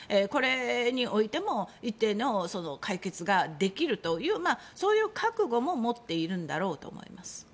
これにおいても一定の解決ができるというそういう覚悟も持っているんだろうと思います。